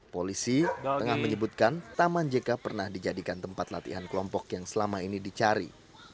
polisi tengah menyebutkan taman jk pernah dijadikan tempat latihan kelompok yang selama ini dicari